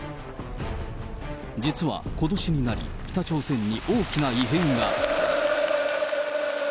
実はことしになり、北朝鮮に大きな異変が。